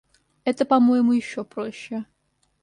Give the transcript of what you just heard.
Это, по-моему, еще проще.